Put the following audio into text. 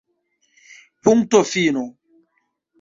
Punkto fino!